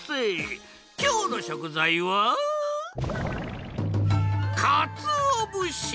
きょうのしょくざいはかつおぶし！